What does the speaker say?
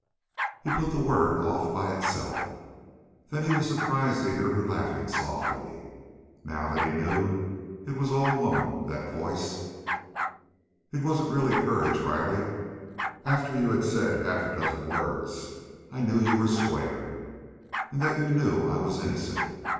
He put the word off by itself. Then he was surprised to hear her laughing softly. Now that he knew, it was all woman, that voice. "It wasn't really courage, Riley. After you'd said half a dozen words I knew you were square, and that you knew I was innocent.